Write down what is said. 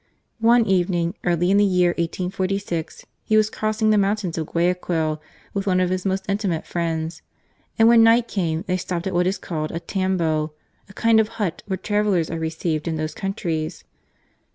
One evening, early in the year 1846, he was C i« GARCIA MORENO. crossing the mountains to Guayaquil with one of his most intimate friends, and when night came they stopped at what is called a tambo, a kind of hut where travellers are received in those countries.